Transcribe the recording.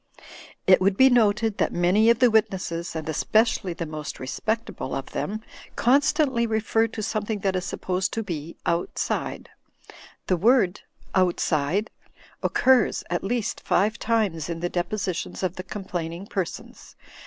It would be noted that many of the witnesses, and especially the most respectable of them, u,y,u.«u by Google 104 THE FLYING INN constantly refer to something that is supposed tq be outside. The word "outside" occurs at least five times in the depositions of the complaining persons.